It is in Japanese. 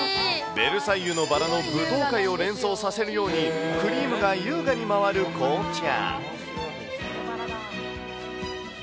ベルサイユのばらの舞踏会を連想させるように、クリームが優雅に回る紅茶。